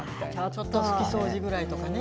ちょっとした拭き掃除ぐらいとかね。